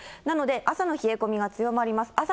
なので、朝の冷え込みが強まります。